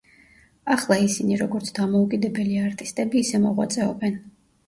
ახლა ისინი, როგორც დამოუკიდებელი არტისტები ისე მოღვაწეობენ.